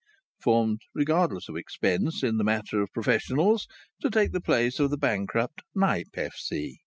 (formed regardless of expense in the matter of professionals to take the place of the bankrupt Knype F.C.)